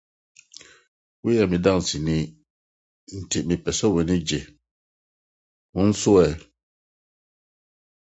Woyɛ me Danseni, enti mepɛ sɛ w’ani gye! ” Wo nso ɛ?